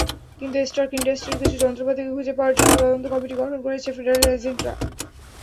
কিছু স্টার্ক ইন্ডাস্ট্রির কিছু যন্ত্রপাতিকে খুঁজে পাওয়ার জন্য তদন্ত কমিটি গঠন করেছেন ফেডারেল এজেন্টরা।